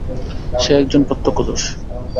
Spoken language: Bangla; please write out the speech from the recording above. সে একজন প্রত্যক্ষদর্শী।